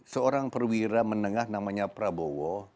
seorang perwira menengah namanya prabowo